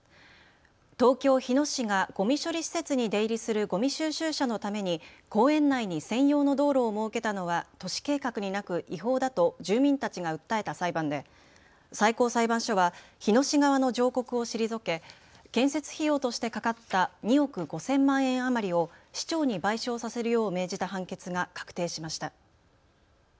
東京日野市がごみ処理施設に出入りするごみ収集車のために公園内に専用の道路を設けたのは都市計画になく違法だと住民たちが訴えた裁判で最高裁判所は日野市側の上告を退け建設費用としてかかった２億５０００万円余りを市長に賠償させるよう命じた判決が確定しました。